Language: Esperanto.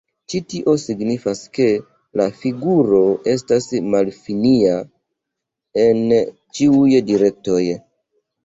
Ĉi tio signifas ke la figuro estas malfinia en ĉiuj direktoj.